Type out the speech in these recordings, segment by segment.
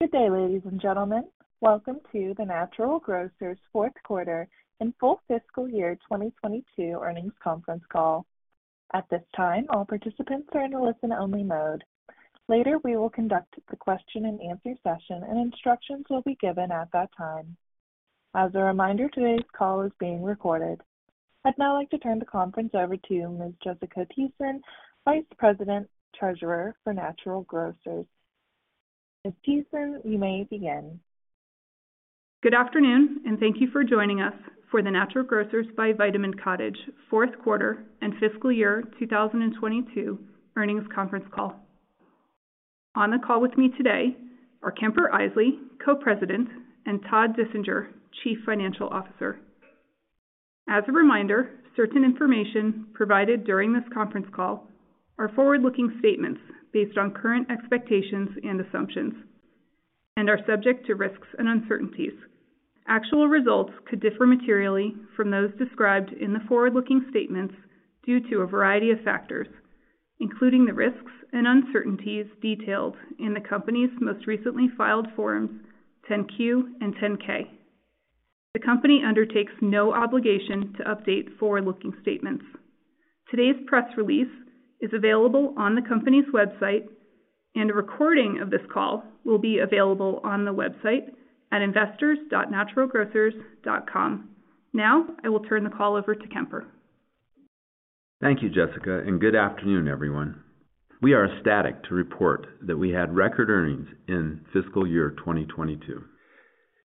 Good day, ladies and gentlemen. Welcome to the Natural Grocers Fourth Quarter and Full Fiscal Year 2022 Earnings Conference Call. At this time, all participants are in a listen-only mode. Later, we will conduct the question-and-answer session, and instructions will be given at that time. As a reminder, today's call is being recorded. I'd now like to turn the conference over to Ms. Jessica Thiessen, Vice President, Treasurer for Natural Grocers. Ms. Thiessen, you may begin. Good afternoon. Thank you for joining us for the Natural Grocers by Vitamin Cottage Fourth Quarter and Fiscal Year 2022 Earnings Conference Call. On the call with me today are Kemper Isely, Co-President, and Todd Dissinger, Chief Financial Officer. As a reminder, certain information provided during this conference call are forward-looking statements based on current expectations and assumptions and are subject to risks and uncertainties. Actual results could differ materially from those described in the forward-looking statements due to a variety of factors, including the risks and uncertainties detailed in the company's most recently filed Forms 10-Q and 10-K. The company undertakes no obligation to update forward-looking statements. Today's press release is available on the company's website, and a recording of this call will be available on the website at investors.naturalgrocers.com. Now, I will turn the call over to Kemper. Thank you, Jessica, and good afternoon, everyone. We are ecstatic to report that we had record earnings in fiscal year 2022,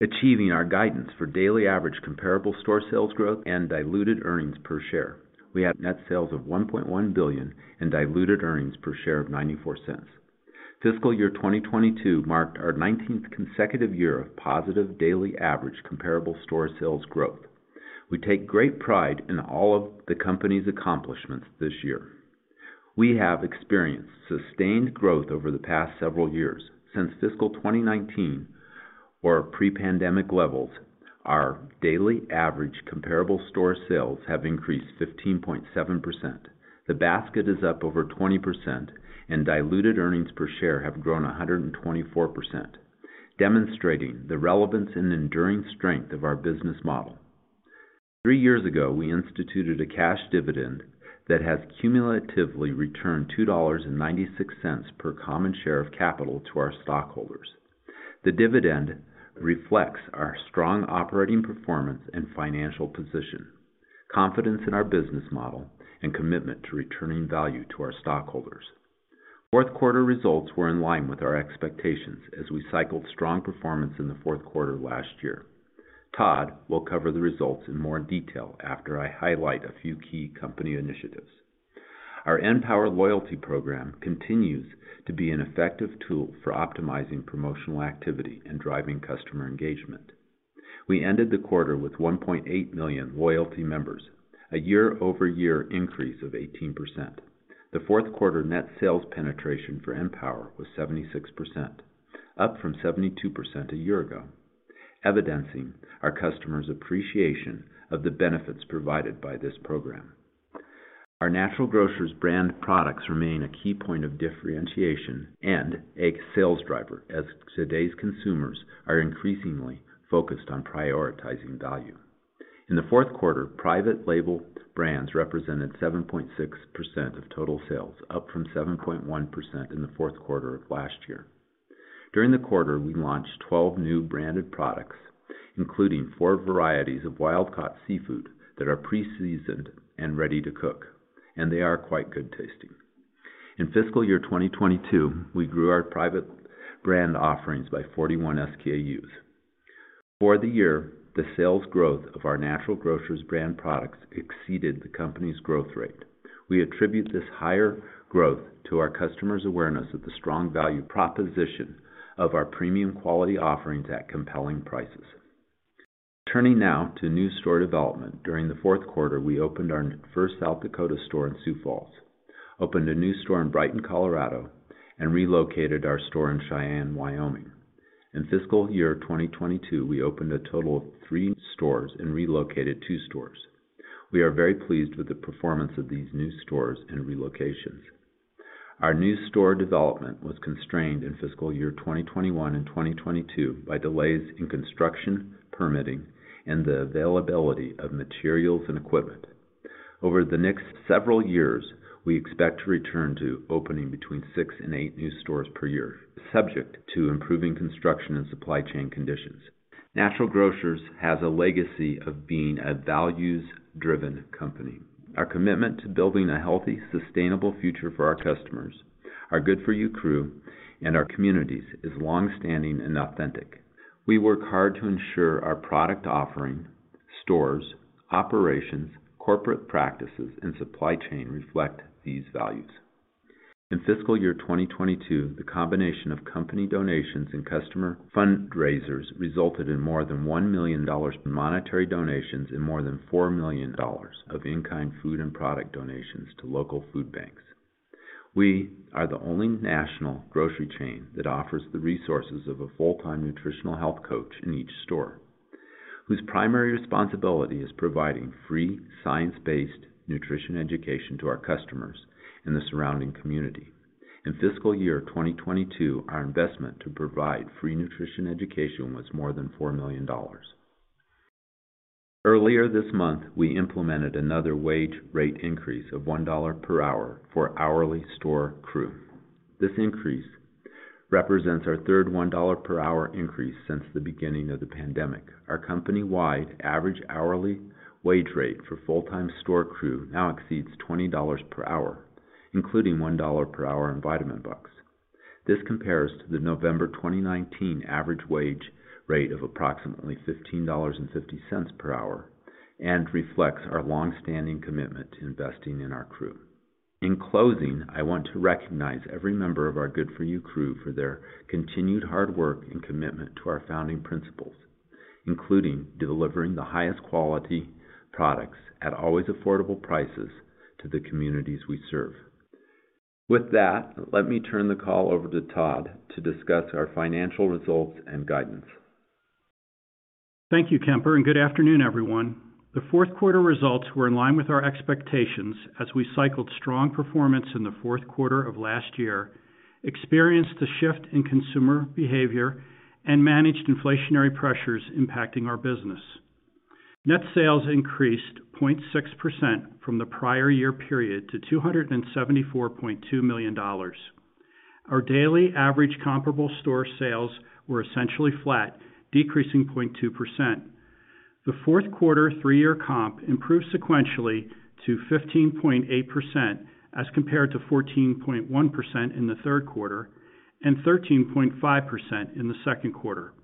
achieving our guidance for daily average comparable store sales growth and diluted earnings per share. We had net sales of $1.1 billion and diluted earnings per share of $0.94. Fiscal year 2022 marked our 19th consecutive year of positive daily average comparable store sales growth. We take great pride in all of the company's accomplishments this year. We have experienced sustained growth over the past several years. Since fiscal 2019 or pre-pandemic levels, our daily average comparable store sales have increased 15.7%. The basket is up over 20% and diluted earnings per share have grown 124%, demonstrating the relevance and enduring strength of our business model. Three years ago, we instituted a cash dividend that has cumulatively returned $2.96 per common share of capital to our stockholders. The dividend reflects our strong operating performance and financial position, confidence in our business model, and commitment to returning value to our stockholders. Fourth quarter results were in line with our expectations as we cycled strong performance in the fourth quarter last year. Todd will cover the results in more detail after I highlight a few key company initiatives. Our {N}power loyalty program continues to be an effective tool for optimizing promotional activity and driving customer engagement. We ended the quarter with 1.8 million loyalty members, a year-over-year increase of 18%. The fourth quarter net sales penetration for {N}power was 76%, up from 72% a year ago, evidencing our customers' appreciation of the benefits provided by this program. Our Natural Grocers Brand Products remain a key point of differentiation and a sales driver as today's consumers are increasingly focused on prioritizing value. In the fourth quarter, private label brands represented 7.6% of total sales, up from 7.1% in the fourth quarter of last year. During the quarter, we launched 12 new branded products, including four varieties of wild-caught seafood that are pre-seasoned and ready to cook, and they are quite good tasting. In fiscal year 2022, we grew our private brand offerings by 41 SKUs. For the year, the sales growth of our Natural Grocers Brand Products exceeded the company's growth rate. We attribute this higher growth to our customers' awareness of the strong value proposition of our premium-quality offerings at compelling prices. Turning now to new store development. During the fourth quarter, we opened our first South Dakota store in Sioux Falls, opened a new store in Brighton, Colorado, and relocated our store in Cheyenne, Wyoming. In fiscal year 2022, we opened a total of three stores and relocated two stores. We are very pleased with the performance of these new stores and relocations. Our new store development was constrained in fiscal year 2021 and 2022 by delays in construction, permitting, and the availability of materials and equipment. Over the next several years, we expect to return to opening between six and eight new stores per year, subject to improving construction and supply chain conditions. Natural Grocers has a legacy of being a values-driven company. Our commitment to building a healthy, sustainable future for our customers, our Good For You Crew, and our communities is long-standing and authentic. We work hard to ensure our product offering, stores, operations, corporate practices, and supply chain reflect these values. In fiscal year 2022, the combination of company donations and customer fundraisers resulted in more than $1 million in monetary donations and more than $4 million of in-kind food and product donations to local food banks. We are the only national grocery chain that offers the resources of a full-time nutritional health coach in each store, whose primary responsibility is providing free science-based nutrition education to our customers and the surrounding community. In fiscal year 2022, our investment to provide free nutrition education was more than $4 million. Earlier this month, we implemented another wage rate increase of $1 per hour for hourly store crew. This increase represents our third $1 per hour increase since the beginning of the pandemic. Our company-wide average hourly wage rate for full-time store crew now exceeds $20 per hour, including $1 per hour in Vitamin Bucks. This compares to the November 2019 average wage rate of approximately $15.50 per hour and reflects our long-standing commitment to investing in our crew. In closing, I want to recognize every member of our Good For You Crew for their continued hard work and commitment to our founding principles, including delivering the highest quality products at always affordable prices to the communities we serve. With that, let me turn the call over to Todd to discuss our financial results and guidance. Thank you, Kemper, and good afternoon, everyone. The fourth quarter results were in line with our expectations as we cycled strong performance in the fourth quarter of last year, experienced a shift in consumer behavior, and managed inflationary pressures impacting our business. Net sales increased 0.6% from the prior year period to $274.2 million. Our daily average comparable store sales were essentially flat, decreasing 0.2%. The fourth quarter three-year comp improved sequentially to 15.8% as compared to 14.1% in the third quarter and 13.5% in the second quarter.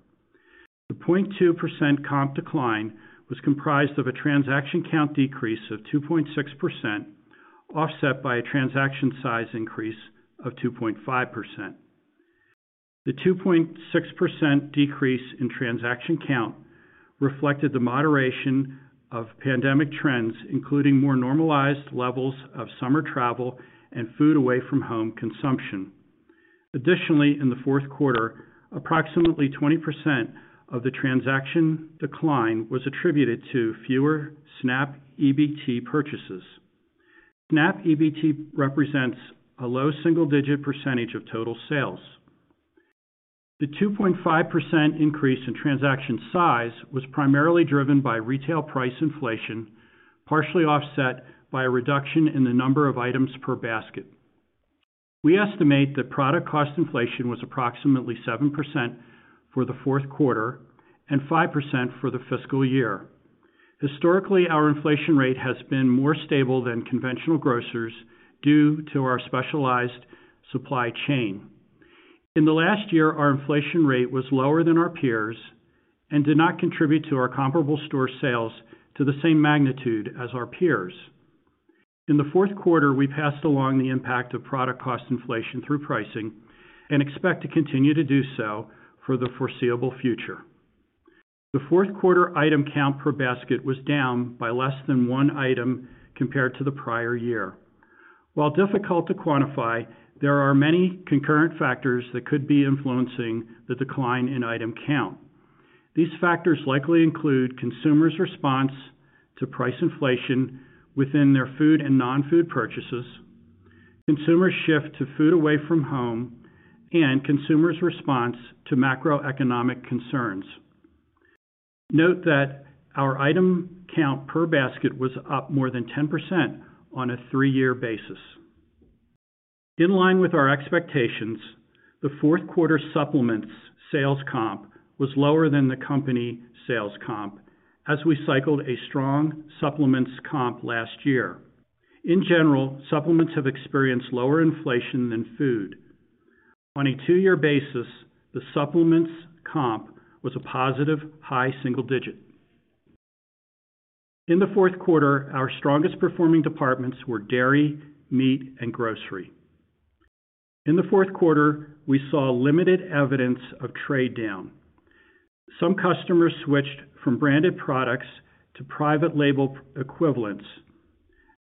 The 0.2% comp decline was comprised of a transaction count decrease of 2.6%, offset by a transaction size increase of 2.5%. The 2.6% decrease in transaction count reflected the moderation of pandemic trends, including more normalized levels of summer travel and food away from home consumption. Additionally, in the fourth quarter, approximately 20% of the transaction decline was attributed to fewer SNAP EBT purchases. SNAP EBT represents a low single-digit percentage of total sales. The 2.5% increase in transaction size was primarily driven by retail price inflation, partially offset by a reduction in the number of items per basket. We estimate that product cost inflation was approximately 7% for the fourth quarter and 5% for the fiscal year. Historically, our inflation rate has been more stable than conventional grocers due to our specialized supply chain. In the last year, our inflation rate was lower than our peers and did not contribute to our comparable store sales to the same magnitude as our peers. In the fourth quarter, we passed along the impact of product cost inflation through pricing and expect to continue to do so for the foreseeable future. The fourth quarter item count per basket was down by less than one item compared to the prior year. While difficult to quantify, there are many concurrent factors that could be influencing the decline in item count. These factors likely include consumers' response to price inflation within their food and non-food purchases, consumers' shift to food away from home, and consumers' response to macroeconomic concerns. Note that our item count per basket was up more than 10% on a three-year basis. In line with our expectations, the fourth quarter supplements sales comp was lower than the company sales comp as we cycled a strong supplements comp last year. In general, supplements have experienced lower inflation than food. On a two-year basis, the supplements comp was a positive high single-digit. In the fourth quarter, our strongest-performing departments were dairy, meat, and grocery. In the fourth quarter, we saw limited evidence of trade-down. Some customers switched from branded products to private-label equivalents.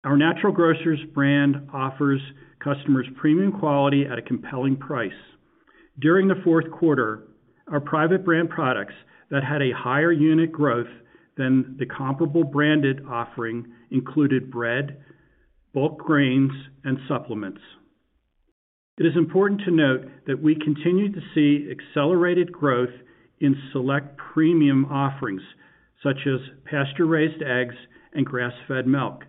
Our Natural Grocers Brand offers customers premium quality at a compelling price. During the fourth quarter, our private-brand products that had a higher unit growth than the comparable branded offering included bread, bulk grains, and supplements. It is important to note that we continue to see accelerated growth in select premium offerings such as pasture-raised eggs and grass-fed milk,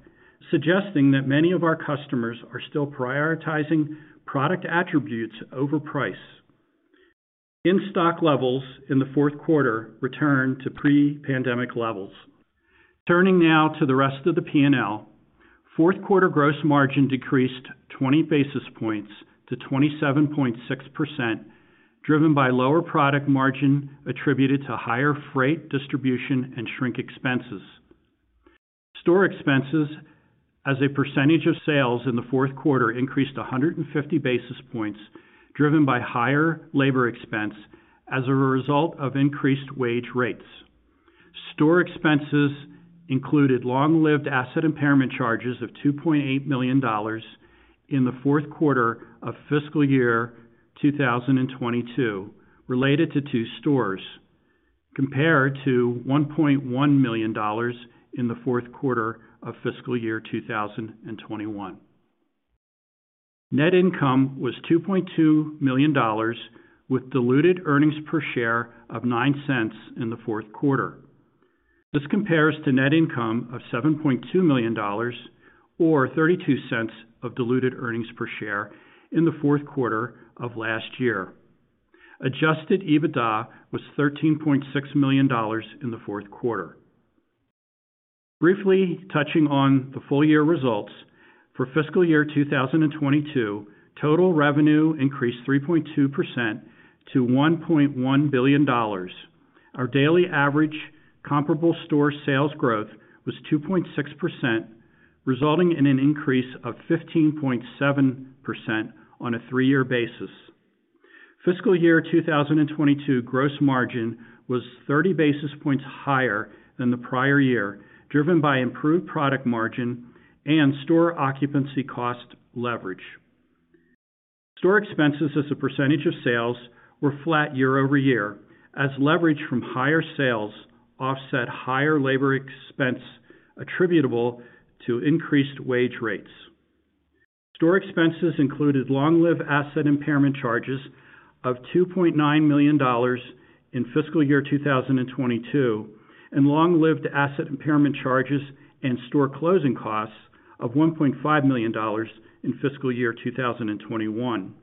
suggesting that many of our customers are still prioritizing product attributes over price. In-stock levels in the fourth quarter returned to pre-pandemic levels. Turning now to the rest of the P&L. Fourth quarter gross margin decreased 20 basis points to 27.6%, driven by lower product margin attributed to higher freight, distribution, and shrink expenses. Store expenses as a percentage of sales in the fourth quarter increased 150 basis points, driven by higher labor expense as a result of increased wage rates. Store expenses included long-lived asset impairment charges of $2.8 million in the fourth quarter of fiscal year 2022 related to two stores compared to $1.1 million in the fourth quarter of fiscal year 2021. Net income was $2.2 million with diluted earnings per share of $0.09 in the fourth quarter. This compares to net income of $7.2 million or $0.32 of diluted earnings per share in the fourth quarter of last year. Adjusted EBITDA was $13.6 million in the fourth quarter. Briefly touching on the full year results, for fiscal year 2022, total revenue increased 3.2% to $1.1 billion. Our daily average comparable store sales growth was 2.6%, resulting in an increase of 15.7% on a three-year basis. Fiscal year 2022 gross margin was 30 basis points higher than the prior year, driven by improved product margin and store occupancy cost leverage. Store expenses as a percentage of sales were flat year-over-year as leverage from higher sales offset higher labor expense attributable to increased wage rates. Store expenses included long-lived asset impairment charges of $2.9 million in fiscal year 2022, and long-lived asset impairment charges and store closing costs of $1.5 million in fiscal year 2021.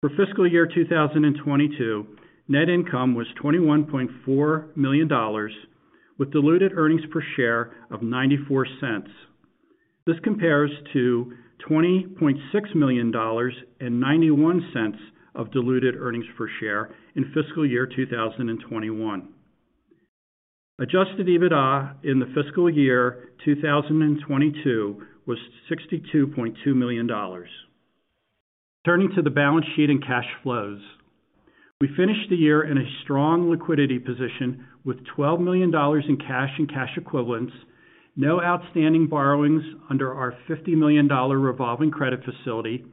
For fiscal year 2022, net income was $21.4 million with diluted earnings per share of $0.94. This compares to $20.6 million and $0.91 of diluted earnings per share in fiscal year 2021. Adjusted EBITDA in the fiscal year 2022 was $62.2 million. Turning to the balance sheet and cash flows. We finished the year in a strong liquidity position with $12 million in cash and cash equivalents, no outstanding borrowings under our $50 million revolving credit facility,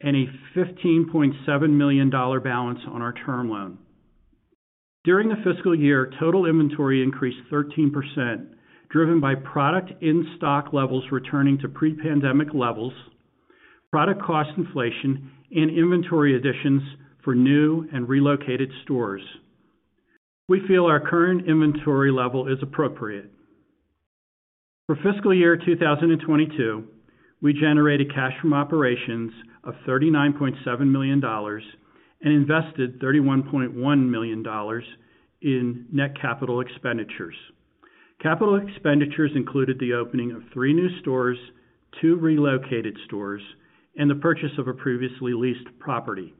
and a $15.7 million balance on our term loan. During the fiscal year, total inventory increased 13%, driven by product in-stock levels returning to pre-pandemic levels, product cost inflation and inventory additions for new and relocated stores. We feel our current inventory level is appropriate. For fiscal year 2022, we generated cash from operations of $39.7 million and invested $31.1 million in net capital expenditures. Capital expenditures included the opening of three new stores, two relocated stores, and the purchase of a previously leased property.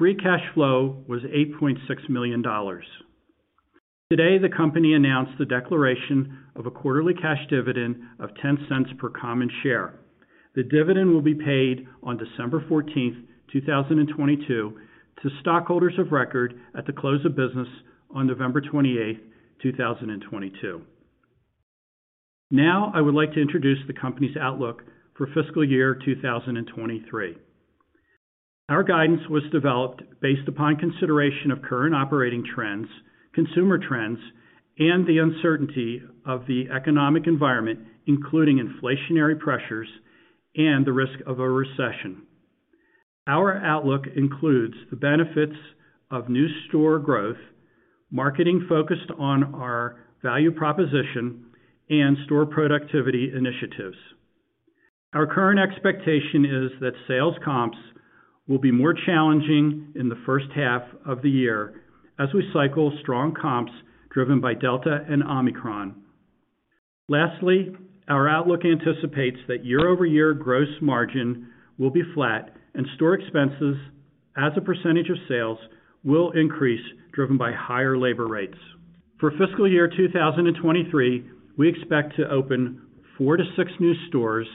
Free cash flow was $8.6 million. Today, the company announced the declaration of a quarterly cash dividend of $0.10 per common share. The dividend will be paid on December 14th, 2022 to stockholders of record at the close of business on November 28th, 2022. Now I would like to introduce the company's outlook for fiscal year 2023. Our guidance was developed based upon consideration of current operating trends, consumer trends, and the uncertainty of the economic environment, including inflationary pressures and the risk of a recession. Our outlook includes the benefits of new store growth, marketing focused on our value proposition and store productivity initiatives. Our current expectation is that sales comps will be more challenging in the first half of the year as we cycle strong comps driven by Delta and Omicron. Lastly, our outlook anticipates that year-over-year gross margin will be flat and store expenses as a percentage of sales will increase driven by higher labor rates. For fiscal year 2023, we expect to open four to six new stores,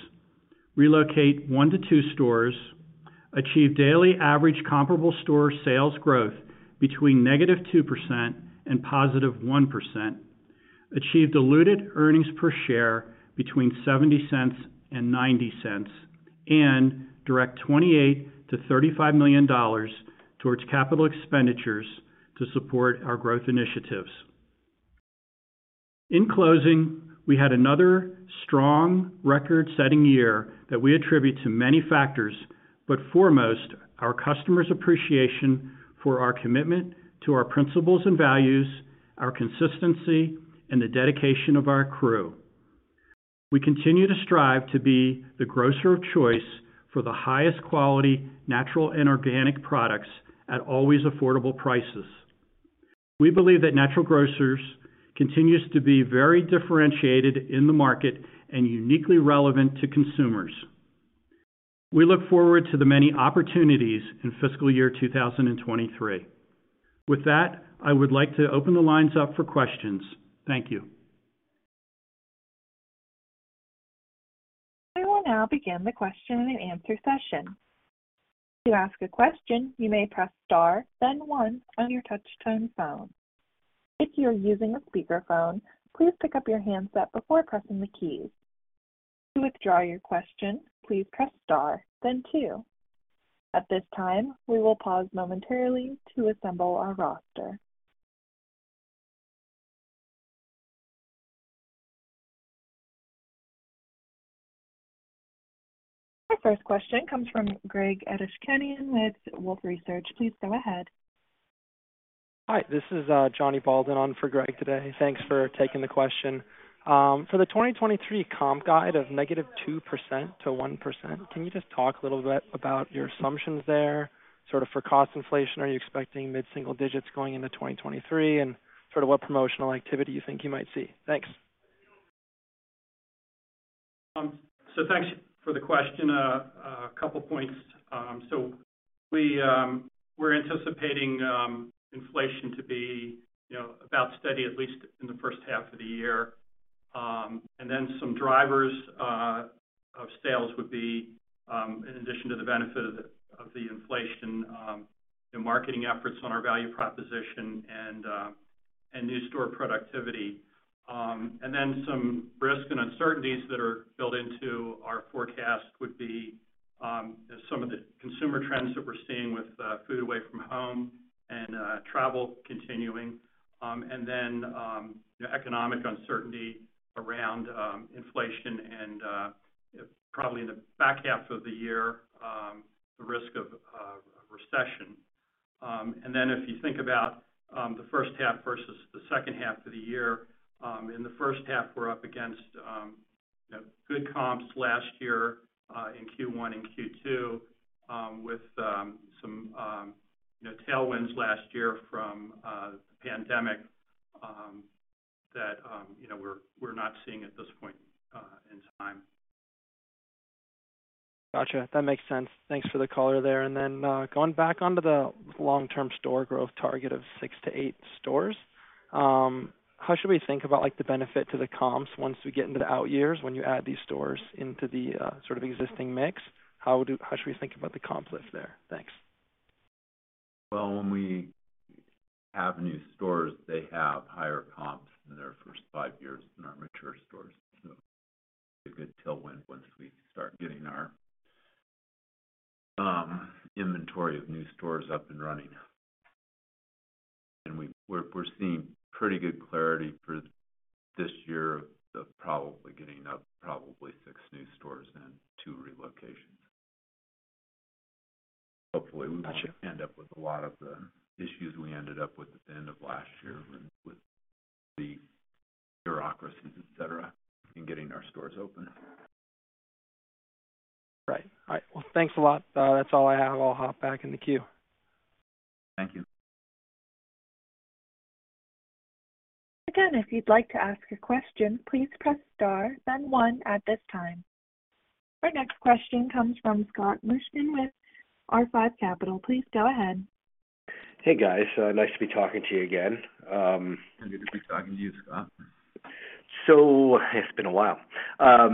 relocate one to two stores, achieve daily average comparable store sales growth between -2% and +1%, achieve diluted earnings per share between $0.70 and $0.90, and direct $28 million-$35 million towards capital expenditures to support our growth initiatives. In closing, we had another strong record-setting year that we attribute to many factors, but foremost, our customers' appreciation for our commitment to our principles and values, our consistency, and the dedication of our Crew. We continue to strive to be the grocer of choice for the highest quality natural and organic products at always affordable prices. We believe that Natural Grocers continues to be very differentiated in the market and uniquely relevant to consumers. We look forward to the many opportunities in fiscal year 2023. With that, I would like to open the lines up for questions. Thank you. We will now begin the question-and-answer session. To ask a question, you may press star, then one on your touchtone phone. If you're using a speakerphone, please pick up your handset before pressing the keys. To withdraw your question, please press star, then two. At this time, we will pause momentarily to assemble our roster. Our first question comes from Greg Badishkanian with Wolfe Research. Please go ahead. Hi, this is Jonny Baldwin on for Greg today. Thanks for taking the question. For the 2023 comp guide of -2% to 1%, can you just talk a little bit about your assumptions there, sort of for cost inflation? Are you expecting mid-single digits going into 2023? Sort of what promotional activity you think you might see? Thanks. Thanks for the question. A couple points. We're anticipating inflation to be, you know, about steady, at least in the first half of the year. Some drivers of sales would be, in addition to the benefit of the inflation, the marketing efforts on our value proposition and new store productivity. Some risk and uncertainties that are built into our forecast would be some of the consumer trends that we're seeing with food away from home and travel continuing. Economic uncertainty around inflation and probably in the back half of the year, the risk of recession. If you think about the first half versus the second half of the year, in the first half, we're up against good comps last year in Q1 and Q2, with some tailwinds last year from the pandemic that, you know, we're not seeing at this point in time. Gotcha. That makes sense. Thanks for the color there. Going back onto the long-term store growth target of 6-8 stores, how should we think about like the benefit to the comps once we get into the out years when you add these stores into the sort of existing mix? How should we think about the comp lift there? Thanks. Well, when we have new stores, they have higher comps in their first five years than our mature stores. A good tailwind once we start getting our inventory of new stores up and running. We're seeing pretty good clarity for this year of probably getting up probably six new stores and two relocations. Hopefully, we won't end up with a lot of the issues we ended up with at the end of last year with the bureaucracies, etc., in getting our stores open. Right. All right. Well, thanks a lot. That's all I have. I'll hop back in the queue. Thank you. Again, if you'd like to ask a question, please press star then one at this time. Our next question comes from Scott Mushkin with R5 Capital. Please go ahead. Hey, guys. Nice to be talking to you again. Good to be talking to you, Scott. It's been a while. I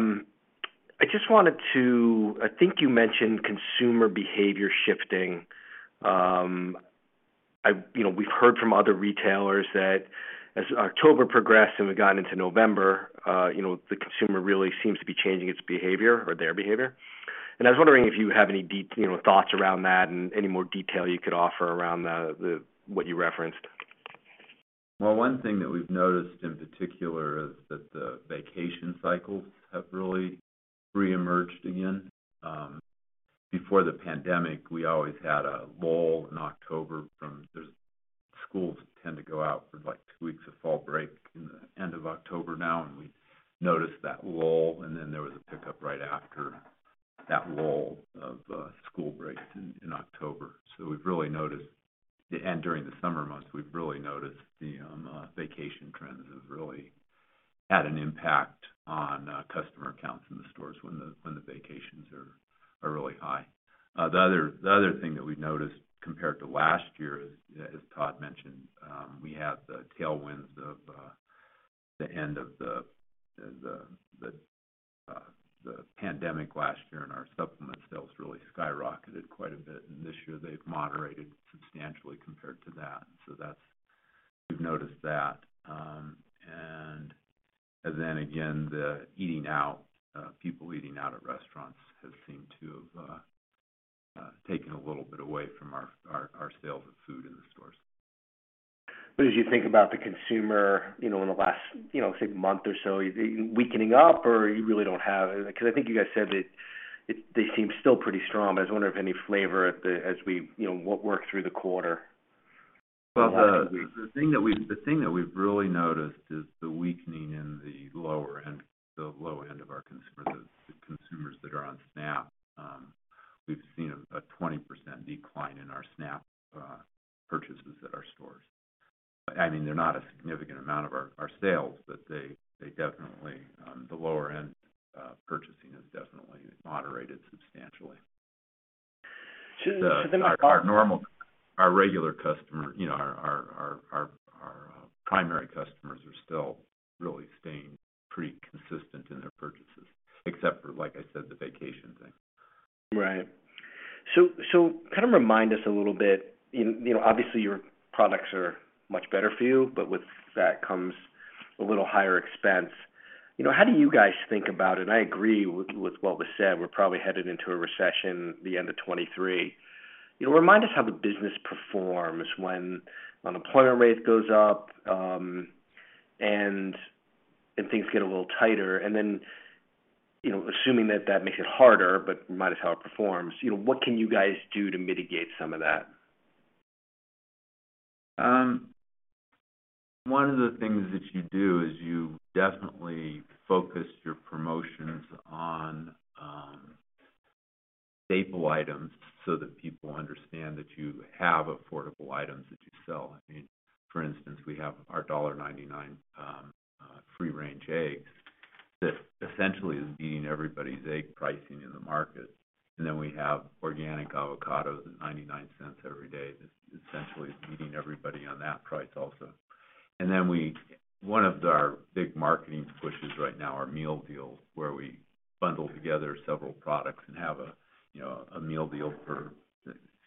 think you mentioned consumer behavior shifting. You know, we've heard from other retailers that as October progressed and we got into November, you know, the consumer really seems to be changing its behavior or their behavior. I was wondering if you have any, you know, thoughts around that and any more detail you could offer around what you referenced. Well, one thing that we've noticed in particular is that the vacation cycles have really reemerged again. Before the pandemic, we always had a lull in October. Schools tend to go out for like two weeks of fall break in the end of October now, and we noticed that lull, and then there was a pickup right after that lull of school breaks in October. During the summer months, we've really noticed the vacation trends have really had an impact on customer counts in the stores when the vacations are really high. The other thing that we've noticed compared to last year is, as Todd mentioned, we have the tailwinds of the end of the pandemic last year. Our supplement sales really skyrocketed quite a bit. This year they've moderated substantially compared to that. We've noticed that. Again, people eating out at restaurants has seemed to have taken a little bit away from our sales of food in the stores. As you think about the consumer, you know, in the last, you know, say month or so, weakening up, or you really don't have? Because I think you guys said that they seem still pretty strong, but I was wondering if any flavor as we, you know, work through the quarter. Well, the thing that we've really noticed is the weakening in the lower end, the low end of our consumer, the consumers that are on SNAP. We've seen a 20% decline in our SNAP purchases at our stores. I mean, they're not a significant amount of our sales, but the lower end purchasing has definitely moderated substantially. To the- You know, our primary customers are still really staying pretty consistent in their purchases, except for, like I said, the vacation thing. Right. Kind of remind us a little bit, you know, obviously, your products are much better for you, but with that comes a little higher expense. You know, how do you guys think about it? I agree with what was said, we're probably headed into a recession the end of 2023. You know, remind us how the business performs when unemployment rate goes up and things get a little tighter. You know, assuming that makes it harder, but remind us how it performs. You know, what can you guys do to mitigate some of that? One of the things that you do is you definitely focus your promotions on staple items so that people understand that you have affordable items that you sell. I mean, for instance, we have our $1.99 free-range eggs that essentially is beating everybody's egg pricing in the market. We have organic avocados at $0.99 every day that essentially is beating everybody on that price also. One of our big marketing pushes right now are meal deals, where we bundle together several products and have, you know, a meal deal for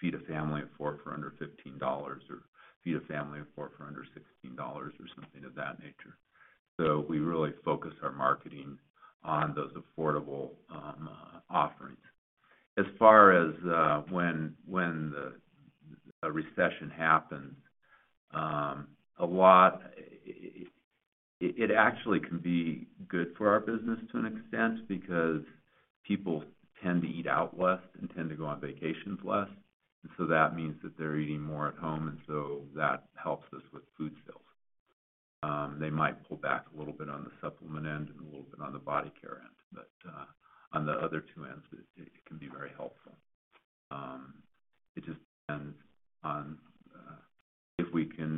feed a family of four for under $15 or feed a family of four for under $16 or something of that nature. We really focus our marketing on those affordable offerings. As far as when a recession happens, it actually can be good for our business to an extent because people tend to eat out less and tend to go on vacations less, and so that means that they're eating more at home, and so that helps us with food sales. They might pull back a little bit on the supplement end and a little bit on the body care end. On the other two ends, it can be very helpful. It just depends on if we can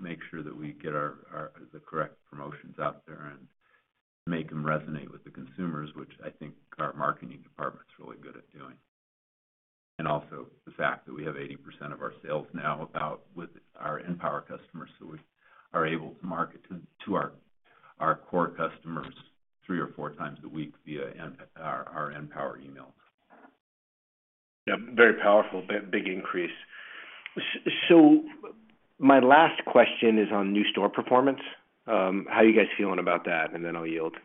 make sure that we get the correct promotions out there and make them resonate with the consumers, which I think our marketing department's really good at doing. Also the fact that we have 80% of our sales now about with our {N}power customers, so we are able to market to our core customers three or four times a week via our {N}power email. Yeah, very powerful. Big increase. My last question is on new store performance. How are you guys feeling about that? I'll yield.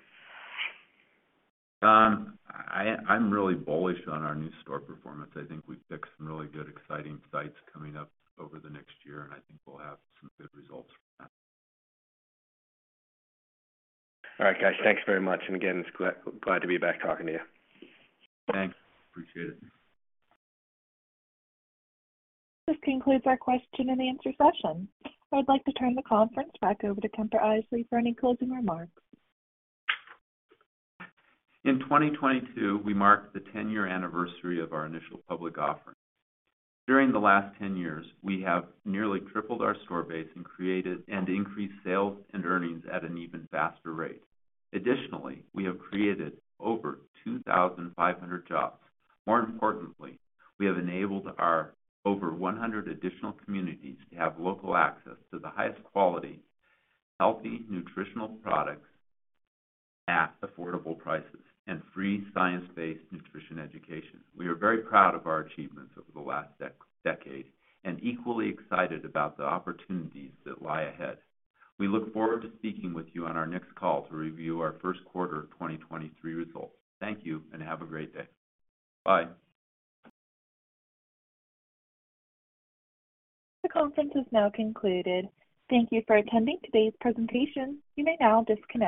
I'm really bullish on our new store performance. I think we picked some really good, exciting sites coming up over the next year, and I think we'll have some good results from that. All right, guys. Thanks very much. Again, it's glad to be back talking to you. Thanks. Appreciate it. This concludes our question-and-answer session. I'd like to turn the conference back over to Kemper Isely for any closing remarks. In 2022, we marked the 10-year anniversary of our initial public offering. During the last 10 years, we have nearly tripled our store base and created and increased sales and earnings at an even faster rate. Additionally, we have created over 2,500 jobs. More importantly, we have enabled our over 100 additional communities to have local access to the highest quality, healthy nutritional products at affordable prices and free science-based nutrition education. We are very proud of our achievements over the last decade and equally excited about the opportunities that lie ahead. We look forward to speaking with you on our next call to review our first quarter of 2023 results. Thank you, and have a great day. Bye. The conference is now concluded. Thank you for attending today's presentation. You may now disconnect.